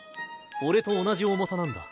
俺と同じ重さなんだ。